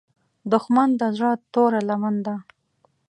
دښمن د زړه توره لمن ده